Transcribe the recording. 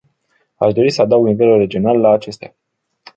Aș dori să adaug nivelul regional la acestea.